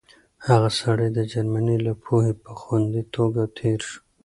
هغه سړی د جرمني له پولې په خوندي توګه تېر شو.